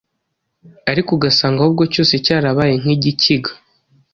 ariko ugasanga ahubwo cyose cyarabaye nkigikiga